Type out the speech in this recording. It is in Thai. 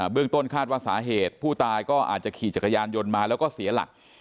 เรื่องต้นคาดว่าสาเหตุผู้ตายก็อาจจะขี่จักรยานยนต์มาแล้วก็เสียหลัก